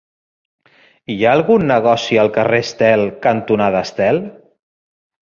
Hi ha algun negoci al carrer Estel cantonada Estel?